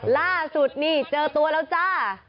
ล่าสุดนี่เจอตัวแล้วจ้า